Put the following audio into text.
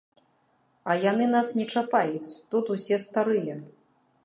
А яны нас не чапаюць, тут усе старыя.